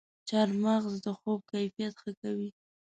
چارمغز د خوب کیفیت ښه کوي.